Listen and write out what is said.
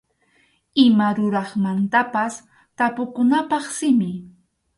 Ima ruraqmantapas tapukunapaq simi.